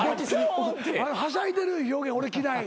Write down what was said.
はしゃいでるいう表現俺嫌い。